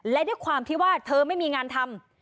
และด้วยความที่ว่าเธอไม่มีงานทำ